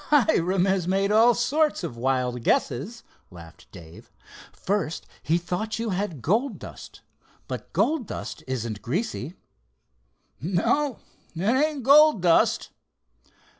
"Hiram has made all sorts of wild guesses," laughed Dave. "First he thought you had gold dust—but gold dust isn't greasy." "No, it ain't gold dust."